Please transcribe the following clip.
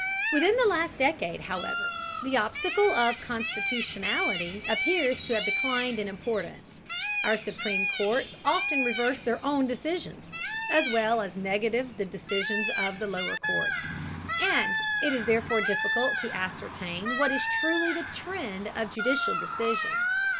Within the last decade, however, the obstacle of constitutionality appears to have declined in importance. Our Supreme Courts often reverse their own decisions, as well as negative the decisions of the lower courts, and it is therefore difficult to ascertain what is truly the trend of judicial decision.